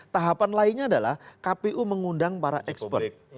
tahapan lainnya adalah kpu mengundang para expert